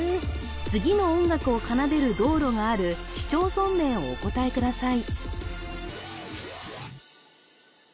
次の音楽を奏でる道路がある市町村名をお答えください